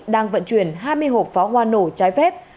đang vận chuyển hai mươi hộp pháo hoa nổ trái phép